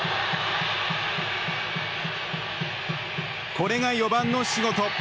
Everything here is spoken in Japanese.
これが４番の仕事。